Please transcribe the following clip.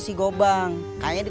digulungnya pasu pasu ini